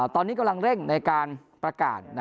ตอนนี้กำลังเร่งในการประกาศ